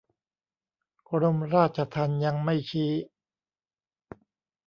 กรมราชทัณฑ์ยังไม่ชี้